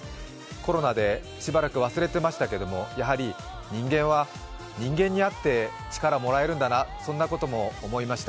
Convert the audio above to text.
コロナでしばらく忘れてましたけれども、人間は人間に会って力をもらえるんだなそんなことも思いました。